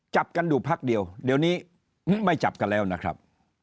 จับกันอยู่พักเดียวเดี๋ยวนี้ไม่จับกันแล้วนะครับ